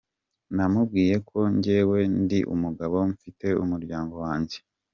Namubwiye ko njyewe ndi umugabo, mfite umuryango wanjye.